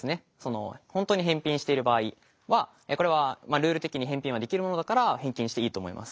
本当に返品している場合はこれはルール的に返品はできるものだから返金していいと思います。